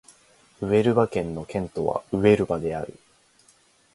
ウエルバ県の県都はウエルバである